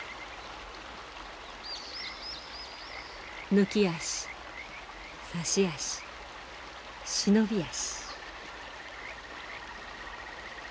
抜き足差し足忍び足。